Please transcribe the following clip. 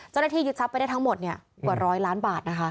เจ้าหน้าที่ยึดทรัพย์ไปได้ทั้งหมดกว่าร้อยล้านบาทนะคะ